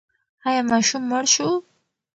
ایا ماشوم مړ شو؟